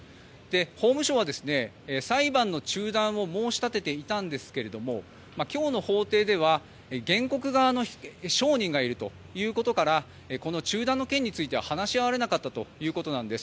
法務省は裁判の中断を申し立てていたんですが今日の法廷では原告側の証人がいるということからこの中断の件については話し合われなかったということです。